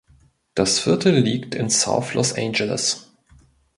Das Viertel liegt in South Los Angeles.